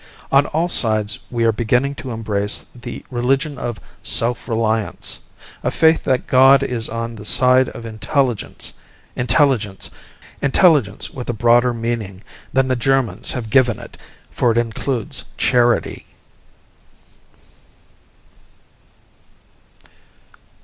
On all sides we are beginning to embrace the religion of self reliance, a faith that God is on the side of intelligence intelligence with a broader meaning than the Germans have given it, for it includes charity.